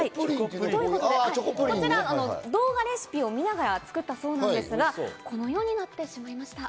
動画レシピを見ながら作ったそうなんですが、このようになってしまいました。